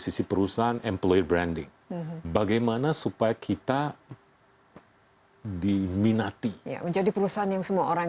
sisi perusahaan employe branding bagaimana supaya kita diminati menjadi perusahaan yang semua orang